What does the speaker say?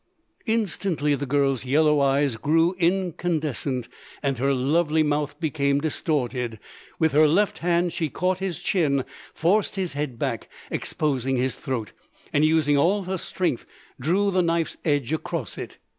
Instantly the girl's yellow eyes grew incandescent and her lovely mouth became distorted. With her left hand she caught his chin, forced his head back, exposing his throat, and using all her strength drew the knife's edge across it.